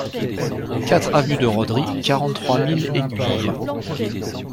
quatre avenue de Roderie, quarante-trois mille Aiguilhe